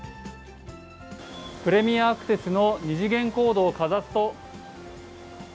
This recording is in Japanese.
プレミアアクセスの２次元コードをかざすと。